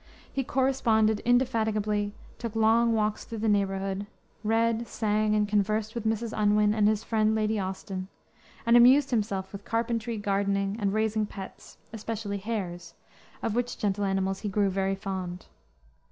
He corresponded indefatigably, took long walks through the neighborhood, read, sang, and conversed with Mrs. Unwin and his friend, Lady Austin; and amused himself with carpentry, gardening, and raising pets, especially hares, of which gentle animals he grew very fond.